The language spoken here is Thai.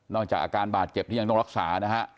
จากอาการบาดเจ็บที่ยังต้องรักษานะฮะ